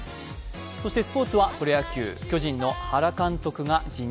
そしてスポーツはプロ野球、巨人の原監督が辞任。